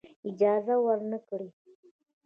اجازه ورنه کړی.